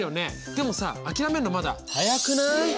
でもさ諦めんのまだ早くない。